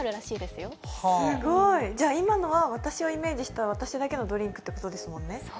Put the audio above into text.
すごい、じゃ、今のは私をイメージした私だけのドリンクということですね。